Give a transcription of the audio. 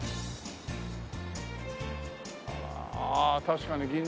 ああ確かに銀座。